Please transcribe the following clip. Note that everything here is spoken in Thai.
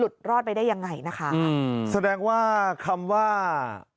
แสดงว่าคำว่า